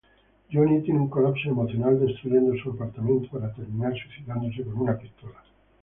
Johnny tiene un colapso emocional, destruyendo su apartamento para terminar suicidándose con una pistola.